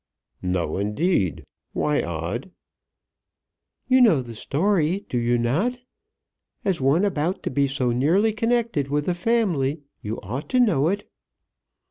"No, indeed! Why odd?" "You know the story; do you not? As one about to be so nearly connected with the family, you ought to know it.